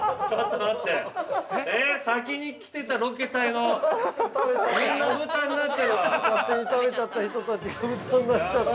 ◆勝手に食べちゃった人たちが豚になっちゃってて。